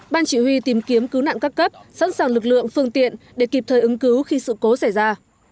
ban chỉ huy tìm kiếm cứu nạn các cấp sẵn sàng lực lượng phương tiện để kịp thời ứng cứu khi sự cố xảy ra